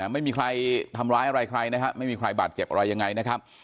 ไม่มีใครทำร้ายอะไรใครนะฮะไม่มีใครบาดเจ็บอะไรยังไงนะครับ